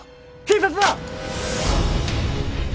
警察だ！